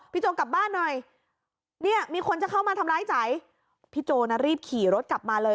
โจกลับบ้านหน่อยเนี่ยมีคนจะเข้ามาทำร้ายใจพี่โจนะรีบขี่รถกลับมาเลย